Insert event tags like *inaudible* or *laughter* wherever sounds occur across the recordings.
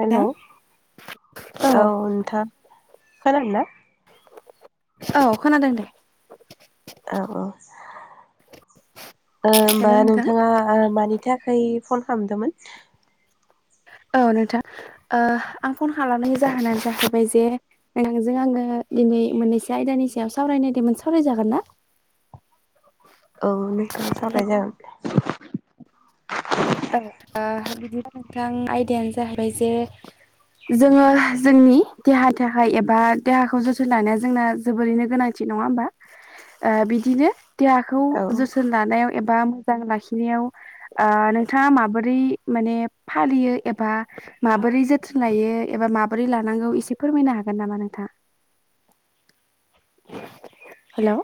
हेल' औ औ नोंथां खानादोना औ खोनादों दे। औ औ हेल' होमबा नोंथां नोंथाङा मानि बिनि थाखाय फन खालामदोंमोन औ नोंथां आं फन खालामनायनि जाहोनानो जाहैबाय जे नोंजों आङो दिनै मोननैसो आयदानि सायाव सावरायनायदोंमोन सावरायजागोन ना *inaudible* औ नोंथां सावराय जागोन दे औ बिदिबा नोंथां आयदायानो जाहैबाय जे जोङो जोंनि देह थाखाय एबा देहाखौ जोथोन लानाया जोंना जोबोरैनो गोनांथि नङा होमबा ओ बिदिनो देहाखौ औ जोथोन लानायाव एबा मोजां लाखिनायाव बिथा माबोरै म फालियो एबा माबोरै जोथोन लायो एबा माबोरै लानानै। नौ एसे फोरमायनो हागोन नामा नोंथां? हेल'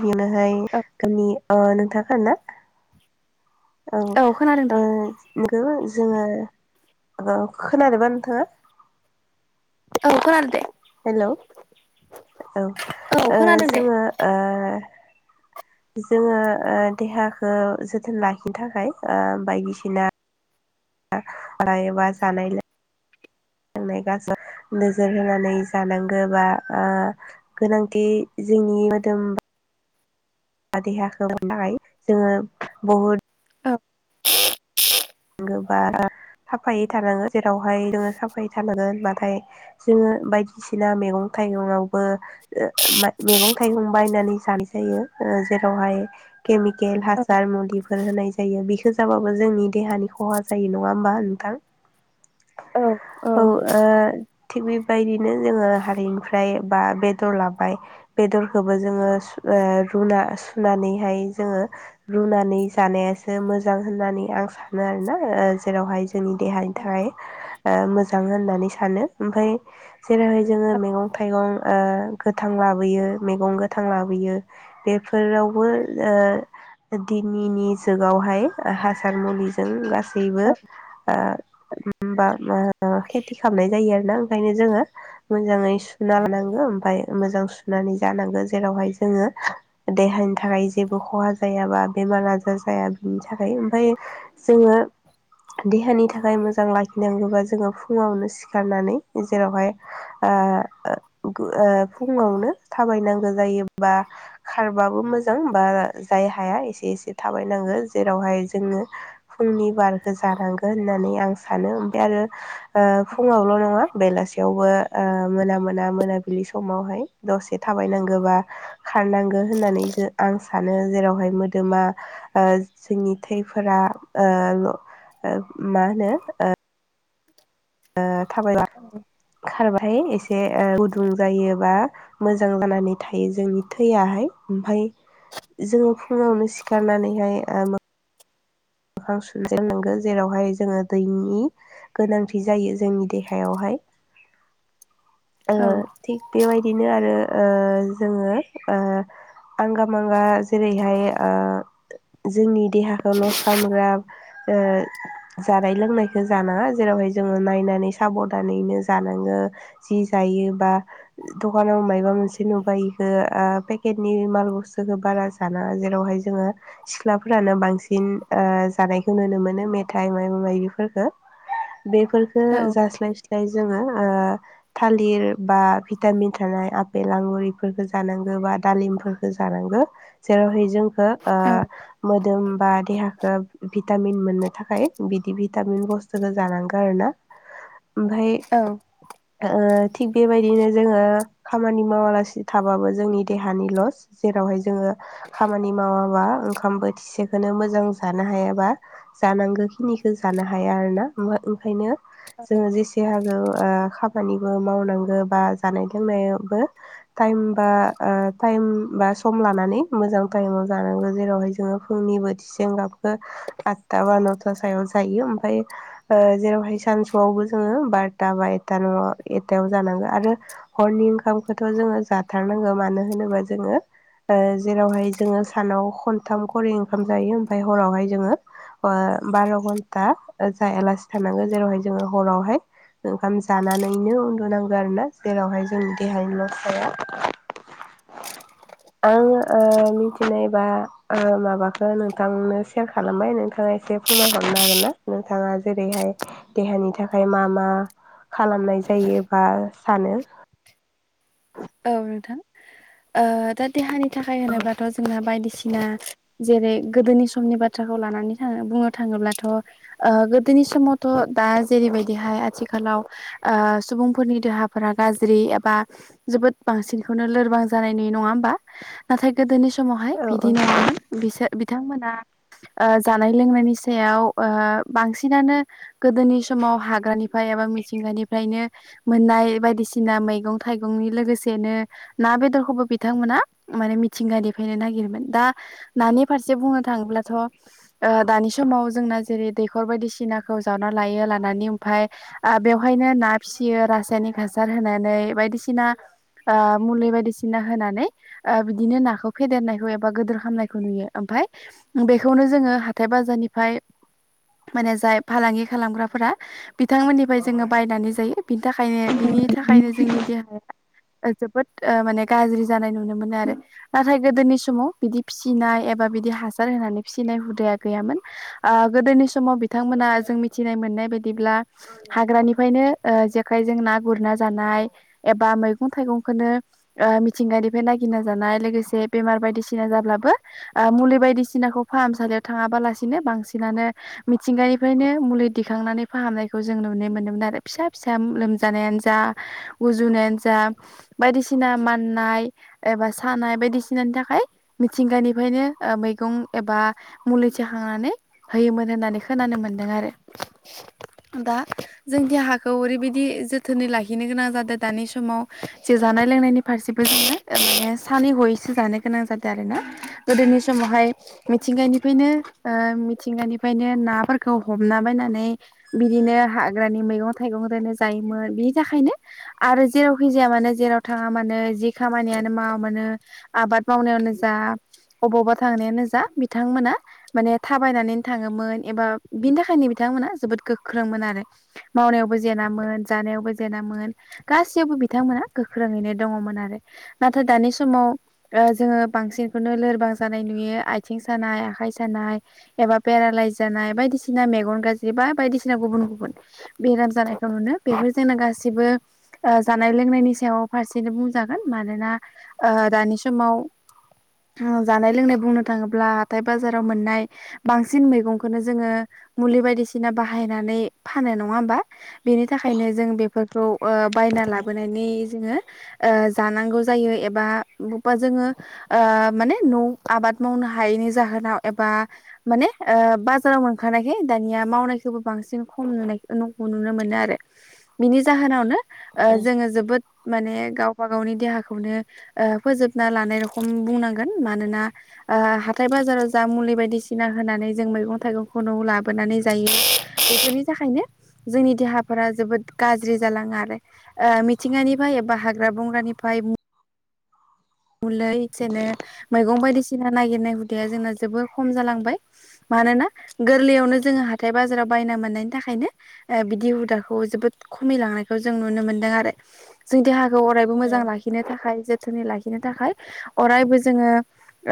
बेनोहाय औ गनि नोंथाङाख ना औ खोनादों दे। *unintelligible* जोङो औ खोनादोंबा नोंथाङा? औ खोनादो दे। हेल' औ औ खोनादों दे। जोङो *inaudible* जोङो ओ देहाखौ जोथोन लाखिनो थाखाय बायदिसिना फरायोबा जानायलाय जोंनाय गास नोजोर होनानै जानांगौ बा गोनांथि जोंनि मोदोम देहाखौ थाखाय जोङो बहुद *unintelligible* बा साफायै थानांगो जेरावहाय जोङो साफायै थानांगोन होनबाथाय जोङो बायदिसिना मैगं थाइगङावबो मैगं थाइगं बायनानै दानाय जायो जेरावहाय केमिकेल औ हासार मुलिफोर होनाय जायो बेखौ जाबाबो जोंनि देहानि। खहा जायो नङा होमबा नोंथां औ। थिग बेबायदिनो जोङो हारिनिफ्राय बा बेदर लाबाय बेदरखौबो जोङो। रुना सुनानैहाय जोङो रुनानै जानायासो मोजां होननानै आं सानो ना जेरावहाय जोंनि देहानि थाखाय मोजां होननानै सानो ओमफ्राय। जेरैहाय जोङो मैगं थाइगं गोथां लाबोयो मैगं गोथां लाबोयो बे बेफोरावबो ओ दिनैनि जुगावहाय हाजार मुलि जों गासैबो खेथि खालामनाय जायो आरोना ओंखायनो जोङो मोजाङै सुना लानांगौ ओमफ्राय मोजां सुनानै जानांगौ जेरावहाय जोङो देहानि थाखाय जेबो खहा जायाबा बेमार आजार जाया बिनि थाखाय ओमफ्राय जोङो देहानि थाखाय मोजां लाखिनांगौबा जोङो फुङावनो सिखारनानै जेरावहाय फुङावनो थाबायनांगौ जायोबा खारबाबो मोजां बा जाय हाया एसे एसे थाबायनांगो जेरावहाय जोङो फुंनि बारखो जानांगो होननानै आं सानो ओमफ्राय आरो फुङावल' नङा बेलासि यावबो ओ मोना मोना मोनाबिलि समावहाय दसे थाबायनांगौबा खारनांगौ होननानै जो आं सानो जेरावहाय मोदोमा जोंनि थैफोरा ओ मा होनो थाबाय *unintelligible* खारबायाहाय एसे गुदुं जायोबा मोजां जानानै थायो जोंनि थैयाहाय ओमफाय जोङो फुङावनो सिखारनानैहाय मोखां सुजेननांगौ जेरावहाय जोङो दैनि गोनांथि जायो जोंनि देहायावहाय *inaudible* ओ थिग बेबायदिनो आरो जोङो आंगा मांगा जेरैहाय ओ जोंनि देहाखौ लस खालामग्रा ओ जानाय लोंनायखौ जानाङा जेरावहाय जोङो नायनानै साबधानैनो जानांगो ओ जायो दखानाव माबा मोनसे नुबाय इखो ओ पेकेटनि माल बुस्थुखौ बारा जानाङा जेरावहाय जोङो सिख्लाफोरानो बांसिन जानायखौ नुनो मोनो मेथाइ माबा मायबिफोरखो बेफोरखो औ जास्लायस्लाय जोङो थालिर बा भिटामिन थानाय आपेल आंगुर इफोरखौ जानांगौ बा दालिमफोरखौ जानांगौ जेरावहाय जोंखौ मोदोम बा देहा भिटामिन मोननो थाखाय बिदि भिटामिन बुस्थुखौ जानांगौ आरोना ओमफाय औ ओ थिग बेबायदिनो जोङो खामानि मावालासे थाबाबो जोंनि देहानि लस जेरावहाय जोङो खामानि मावाबा ओंखाम बोथिसेखौनो मोजां जानो हायाबा जानांगौ खिनिखौ जानो हाया आरोना ओंखायनो जोङो जेसे हागौ खामानिबो मावनांगौ बा जानाय लोंनायावबो टाइमबा सम लानानै मोजां टाइमाव जानांगौ जेरावहाय जोङो फुंनि *unintelligible* आठथा बा नयथासोआव जायो ओमफ्राय जेरावहाय सानसुआवबो जोङो बारथा बा एथा न' एथायाव जानांगोन आरो हरनि इखामखौथ' जोङो जाथारनांगौ मानो होनोबा जोङो जेरावहाय जोङो सानाव खनथामकरि ओंखाम जायो ओमफाय हरावहाय जोङो बार' घन्टा जाया लासि थानांगो जेरावहाय जोङो हरावहाय ओंखाम जानानैनो उन्दुनांगौ आरोना जेरावहाय जोंनि देहानि लस जाया। *inaudible* आङो मिथिनायबा माबाखो नोंथांनो सेयार खालामबाय नोंथाङा एसे फोरमायहरनो हागोनना नोंथाङा जेरैहाय देहानि थाखाय मा-मा ओ खालामनाय जायो बा सानो औ नोंथां ओ दा देहानि थाखाय होनोबाथ' जोंना बायदिसि -ना जेरै गोदोनि समनि बाथ्राखौ लानानै थाङो बुंनो थाङोब्लाथ' गोदोनि समावथ' दा जेरैबायदिहाय आथिखालाव सुबुंफोरनि देहाफोरा गाज्रि एबा बा जोबो बांसिनखौनो लोरबां जानायनि नङा होमबा नाथाय गोदोनि समावहाय औ बिदि नङामोन बिसो बिथांमो ना जानाय लोंनायनि सायाव बांसिनानो गोदोनि समाव हाग ग्रानिफ्राय आरो मिथिंगानिफ्राय मोननाय बायदिसिना मैगं थाइगं लोगोसेनो ना बेदरखौबो बिथांमोना माने मिथिंगानिफ्रायनो नागिरबाय दा नानि फारसे बुंनो थाङोब्लाथ' ओ दानि समाव जोंना जेरै दैखर बायदिसिनाखौ जाव -ना लायो लानानै ओमफ्राय बेवहायनो ना फिसियो रासायनारि हासार होनानै बायदिसिना *unintelligible* मुलि बायदिसिना होनानै बिदिनो नाखौ फेदेरनायखौ एबा गोदोर खालामनायखौ नुयो बेखौनो जोङो हाथाइ बाजारनिफ्राय माने जाय फालांगि खालामग्राफोरा बिथांमोननिफ्राय जोङो बायनानै जायो बिनि थाखायनो बिनि थाखायनो जोंनि देहाया ओ जोबोद ओ माने गाज्रि जानाय नुनो मोनो आरो नाथाय गोदोनि समाव बिदि फिसिनाय एबा बिदि हासार होनानै फिसिनाय हुदाया गैयामोन। ओ गोदोनि समाव बिथांमोना जों मिथिनाय मोननाय बायदिब्ला हाग्रानिफ्रायनो ओ जेखाइजों ना गुरना जानाय एबा मैगं थाइगंखोनो मिथिंगानिफ्राय नागिरना जानाय लोगोसे बेमार बायदिसिना जाब्ला बो ओ मुलि बायदिसिनाखौ फाहामसालियाव थाङाबालासिनो बांसिनानो मिथिंगानिफ्रायनो मुलि दिखांनानै फाहामनायखौ जों नुनो मोनोमोन आरो फिसा फिसा लोमजानायानो जा गुजुनायानो जा बायदिसिना माननाय एबा सानाय बायदिसिनानि थाखाय मिथिंगानिफ्रायनो ओ मैगं एबा मुलि थिखांनानै होयोमोन होननानै खोनानो मोन दों आरो दा जों देहाखौ ओरैबायदि जोथोनै लाखिनो गोनां जा दो दानि समाव जे जानाय लोंनायनि फारसेबो जोङो ओरैनो सानै हयैसो जानो गोनां जादो आरो। गोदोनि समावहाय मिथिंगानिफ्रायनो ओ मिथिंगानिफ्रायनो नाफोरखौ हमना बायनानै बिदिनो हाग्रानि मैगं थाइगं दोनो जायोमोन बिनि थाखायनो आरो जेरावखि जाया मानो जेराव थाङा मानो जि खामानियानो मावा मानो आबाद मावनायावानो जा अबावबा थांनायानो जा बिथांमोना माने थाबायनानैनो थाङोमोन एबा बिनि थाखायनो बिथां बिथांमोना जोबोद गोख्रोंमोन आरो मावनायावबो जेेनामोन जानायावबो जेेनामोन। गासैयावबो बिथांमोना गोख्रोङैनो दङमोन आरो नाथाय दानि समाव ओ जोंङो बांसिनखौनो लोरबां जानाय नुयो आथिं सानाय आखाइ सानाय एबा पेरालाइस जानाय बायदि बायदिसिना मेगन गाज्रि बा बायदिसिना गुबुन गुबुन बेराम जानायखौ नुनो बेफोर जोंना गासिबो ओ जानाय लोंनायनि सायाव फारसेनो बुंजागोन मानोना ओ दानि समाव ओ जानाय लोंनाय बुंनो थाङोब्ला हाथाय बाजाराव मोननाय बांसिन मैगंखोनो जोंङो मुलि बायदिसिना बाहायनानै फानो नङा होमबा? बेनि थाखायनो जों बेफोरखौ ओ बायना लाबोनायनि जोंङो ओ जानांगौ जायो एबा बबावबा जोङो ओ माने न' आबाद मावनो हायैनि जाहोनाव एबा माने ओ बाजाराव मोनखानायखाय दानिया मावनायखोबो बांसिन खम नुनायखोनो नुनो मोनो आरो बिनि जाहोनाव ओ जोंङो जोबोद माने गावबा गावनि देहा खौनो ओ फोजोबना‌ लानाय रखम बुंनांगोन मानोना ओ हाथाय बाजाराव जा मु लि बायदिसिना होनानै जों मैगं थाइगंखौ न'वाव लाबोनानै जायो बेफोरनि थाखायनो जों नि देहाफोरा जोबोद गाज्रि जालाङो आरो। ओ मिथिंगानिफ्राय एबा हाग्रा बंग्रानिफ्राय नायगिरनाय हुदाया जोंना जोबोर खम जालांबाय। मानोना गोरलैयावनो जोंङो हाथाय बाजाराव बाय ना मोननायनि थाखायनो ओ बिदि हुदाखौ जोबोद खमियलांनाय खौ जों नुनो मोनदों आरो। जों देहाखौ अरायबो मोजां लाखिनो थाखाय जोथोनै लाखि नो थाखाय अरायबो जोङो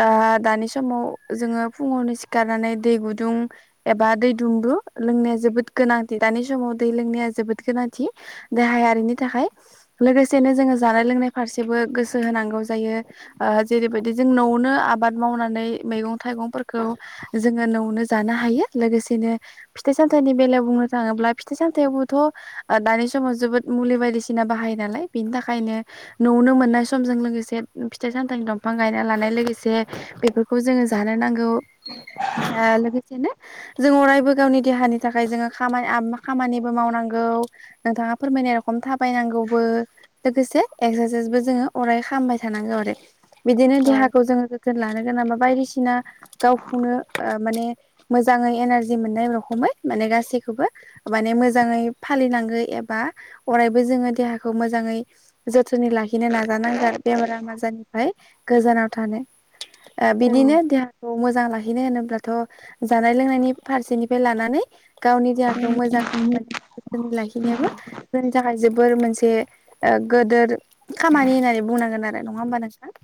ओ दानि समाव जोङो फुङावनो सिखारनानै दै गुदुं एबा दै दुंब्रु लोंनाया जोबोद गोनांथि दानि समाव दै लोंनाया जोबोद गो गोनांथि देहायारिनि थाखाय लोगोसेनो जोङो जानाय लोंनाय फारसेबो गोसो होनांगौ जायो। ओ जेरैबायदि जों नआवनो आबाद मावनानै मैगं थायगंफोरखौ जोंङो नआवनो जानो हायो लोगोसेनो फिथाइ सामथाइनि बेलायाव बुंनो थाङोब्ला फिथाइ सामथायावबोथ' आ दानि समाव जोबोद मुलि बायदिसिना बाहायो नालाय बिनि थाखायनो नआवनो मोननाय समजों लोगोसे फिथाइ सामथाइनि दंफां गायना लानाय लोगो से बेफोरखौ जोंङो जानो नांगौ। ओ लोगोसेनो जों अरायबो गावनि देहानि थाखाय जोङो खामाय आब खामानिबो मावनांगौ नोंथाङा फोरमायनाय रखम थाबायनांगौबो लोगोसे एक्स्रासाइसबो जोंङो अराइ खालामबाय थानांगौ आरो बिदिनो औ देहाखौ जोंङो जोथोन लानो *unintelligible* बायदिसिना गावखौनो ओ माने मोजाङै एनारजि मोननाय रखमै माने गासैखौबो माने मोजाङै फालिनांगो एबा अरायबो जोंङो देहाखौ मोजाङै जोथोनै लाखिनो नाजानांगो आरो। बेमार आजारनिफ्राय गोजानाव थानो। ओ औ बिदिनो देहाखौ मो जां लाखिनो होनोब्लाथ' जानाय लोंनायनि फारसेनिफ्राय लानानै गावनि देहाखौ मोजाङै *unintelligible* थोनै लाखिनायाबो जोंनि थाखाय जोबोर मोनसे गोदोर खामानि होननानै बुंनांगोन आरो नङा होमबा नोंथां।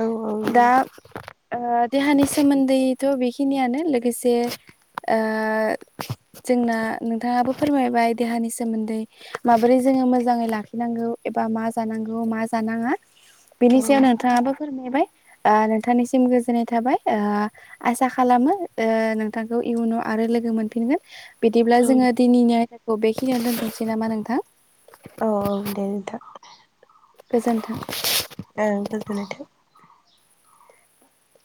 औ औ औ दा देहानि सोमोन्दैथ' बेखिनियानो लोगोसे ओ जोंना नोंथाङाबो फोरमायबाय देहानि सोमोन्दै माबोरै जो मोजाङै लाखिनांगौ एबा मा जानांगौ मा जानाङा बेनि औ सायाव नोंथाङाबो फोरमायबाय। ओ नोंथांनिसिम गोजोननाय थाबाय ओ आसा खालामो ओ नोंथांखौ इयुनाव आरो। लोगो मोनफिनगोन बिदिब्ला जोंङो औ दिनैनि आयदाखौ बेखिनियावनो दोनथ'नोसै नामा नोंथां। औ औ दे नोंथां गोजोन्थों। ओं गोजोनथों।